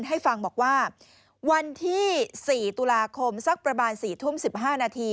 ให้ฟังบอกว่าวันที่๔ตุลาคมสักประมาณ๔ทุ่ม๑๕นาที